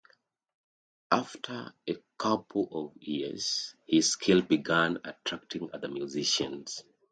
After a couple of years, his skill began attracting other musicians.